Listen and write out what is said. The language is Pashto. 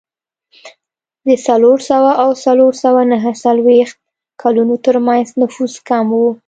د څلور سوه او څلور سوه نهه څلوېښت کلونو ترمنځ نفوس کم و